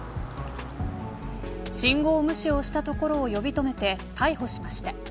信号無視をしたところを呼び止めて逮捕しました。